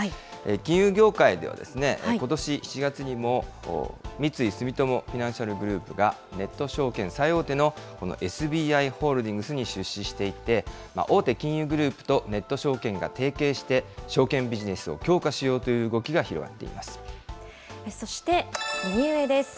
金融業界ではですね、ことし７月にも、三井住友フィナンシャルグループが、ネット証券最大手の、このＳＢＩホールディングスに出資していて、大手金融グループとネット証券が提携して、証券ビジネスを強化しそして右上です。